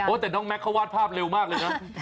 แต่น้องแม็กเขาวาดภาพเร็วมากเลยนะ